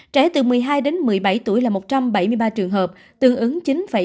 trẻ từ một mươi hai đến một mươi bảy tuổi là một trăm bảy mươi ba trường hợp tương ứng chín bảy mươi